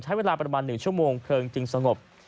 ใช้เวลาประมาณ๑ชั่วโมงเพลิงจึงสงบ